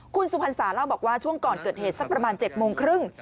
คุณสุพรรษาเล่าบอกว่าช่วงก่อนเกิดเหตุสักประมาณ๗โมงครึ่ง